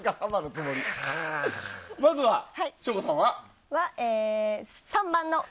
まずは省吾さんは？